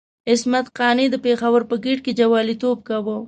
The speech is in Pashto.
عصمت قانع د پېښور په ګېټ کې جواليتوب کاوه.